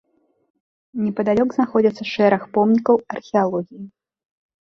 Непадалёк знаходзяцца шэраг помнікаў археалогіі.